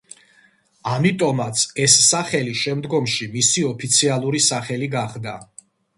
ამიტომაც ეს სახელი შემდგომში მისი ოფიციალური სახელი გახდა.